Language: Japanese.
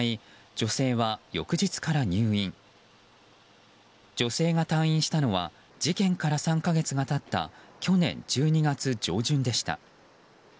女性が退院したのは事件から３か月が経った去年１２月上旬でした。